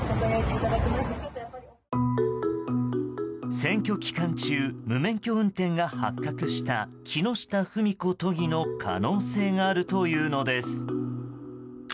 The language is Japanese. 選挙期間中無免許運転が発覚した木下富美子都議の可能性があるというのです。